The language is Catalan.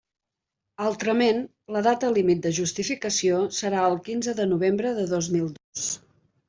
Altrament, la data límit de justificació serà el quinze de novembre de dos mil dos.